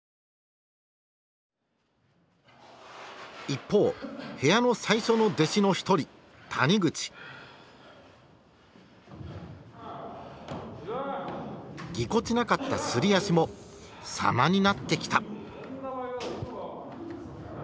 一方部屋の最初の弟子の一人ぎこちなかったすり足も様になってきた。